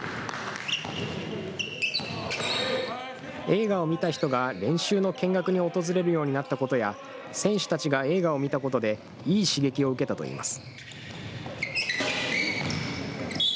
映画を見た人が練習の見学に訪れるようになったことや、選手たちが映画を見たことで、いい刺激を受けたといいます。